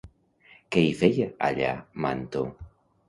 Què hi feia, allà, Manto?